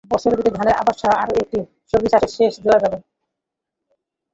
বছরে দুটি ধানের আবাদসহ আরও একটি সবজি চাষে সেচ দেওয়া যাবে।